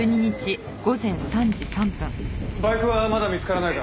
バイクはまだ見つからないか？